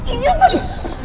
eh jangan lo